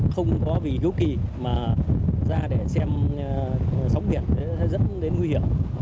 không có vì hiếu kỳ mà ra để xem sóng biển rất là nguy hiểm